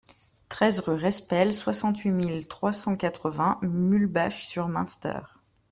treize rue Respel, soixante-huit mille trois cent quatre-vingts Muhlbach-sur-Munster